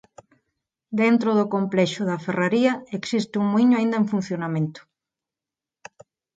Dentro do complexo daa ferraría existe un muíño aínda en funcionamento.